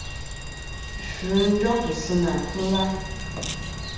Sfɨ jof sɨ nà kfɨla.